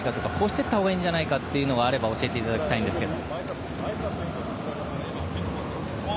こういうところ変えていったほうがいいんじゃないかとかあれば教えていただきたいんですけど。